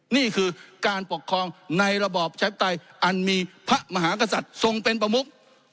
นี่คือการปกครองในระบอบประชาธิปไตยอันมีพระมหากษัตริย์ทรงเป็นประมุก